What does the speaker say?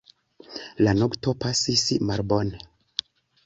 La nokto pasis malbone.